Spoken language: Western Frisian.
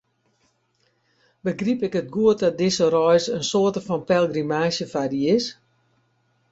Begryp ik it goed dat dizze reis in soarte fan pelgrimaazje foar dy is?